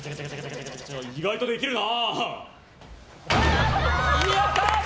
意外とできるな。